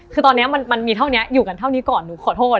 คือตอนนี้มันมีเท่านี้อยู่กันเท่านี้ก่อนหนูขอโทษ